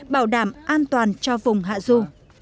bảo đảm an toàn cho vùng hạ ru